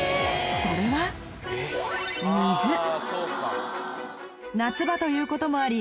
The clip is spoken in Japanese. それは夏場ということもあり